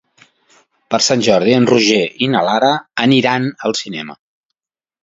Per Sant Jordi en Roger i na Lara iran al cinema.